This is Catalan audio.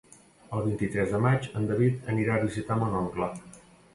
El vint-i-tres de maig en David anirà a visitar mon oncle.